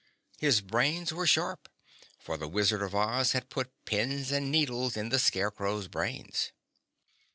His brains were sharp, for the Wizard of Oz had put pins and needles in the Scarecrow's brains.